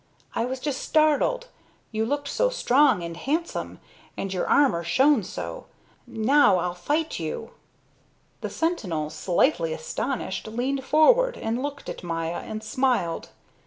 I was just startled. You looked so strong and handsome, and your armor shone so. Now I'll fight you." The sentinel, slightly astonished, leaned forward, and looked at Maya and smiled.